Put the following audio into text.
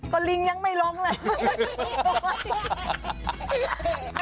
ก็ลิงยังไม่ลงเลย